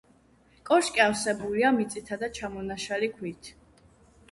კოშკი ავსებულია მიწითა და ჩამონაშალი ქვით.